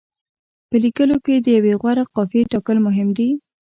په لیکلو کې د یوې غوره قافیې ټاکل مهم دي.